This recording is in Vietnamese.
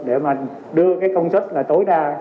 để mà đưa công suất tối đa